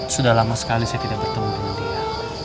sudah lama sekali saya tidak bertemu dengan dia